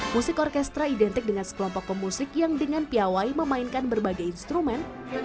musik orkestra identik dengan sekelompok pemusik yang dengan piawai memainkan berbagai instrumen